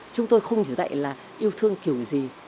chúng tôi không chỉ dạy là yêu thương kiểu gì